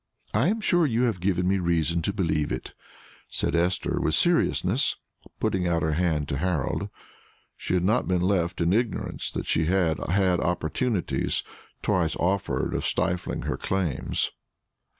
"I am sure you have given me reason to believe it," said Esther, with seriousness, putting out her hand to Harold. She had not been left in ignorance that he had had opportunities twice offered of stifling her claims.